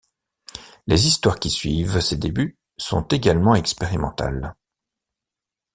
Les histoires qui suivent ces débuts sont également expérimentales.